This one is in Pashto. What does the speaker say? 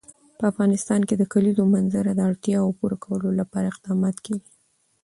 په افغانستان کې د کلیزو منظره د اړتیاوو پوره کولو لپاره اقدامات کېږي.